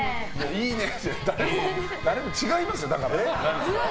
いいねって違いますよ。